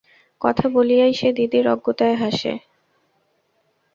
-কথা বলিয়াই সে দিদির অজ্ঞতায় হাসে।